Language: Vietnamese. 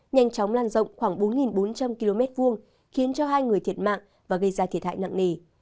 nhanh chóng lan rộng khoảng bốn bốn trăm linh km hai khiến cho hai người thiệt mạng và gây ra thiệt hại nặng nề